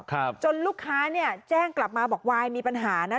จนลูกค้าเนี่ยแจ้งกลับมาบอกวายมีปัญหานะ